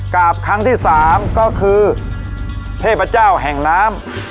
กราบครั้งที่๓ก็คือเทพเจ้าแห่งน้ำ